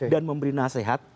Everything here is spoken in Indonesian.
dan memberi nasihat